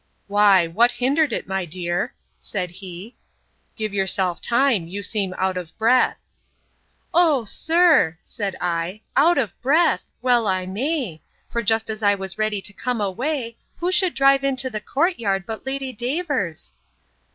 Why, what hindered it, my dear? said he: give yourself time; you seem out of breath!—O sir, said I, out of breath! well I may!—For, just as I was ready to come away, who should drive into the court yard, but Lady Davers!